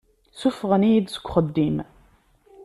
Ssufɣen-iyi-d seg uxeddim.